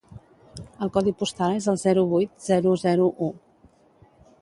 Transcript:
El codi postal és el zero vuit zero zero u.